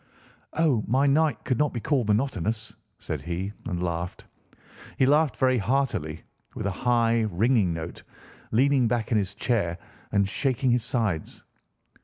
"Oh, my night could not be called monotonous," said he, and laughed. He laughed very heartily, with a high, ringing note, leaning back in his chair and shaking his sides.